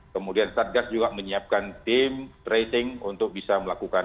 kemudian satgas juga menyiapkan tim tracing untuk bisa melakukan